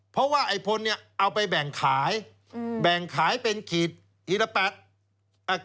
เพราะว่าไอ้พลเนี่ยเอาไปแบ่งขายอืมแบ่งขายเป็นขีดขีดละแปดอ่า